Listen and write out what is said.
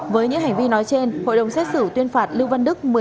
với những hành vi nói trên hội đồng xét xử tuyên phạt lưu văn đức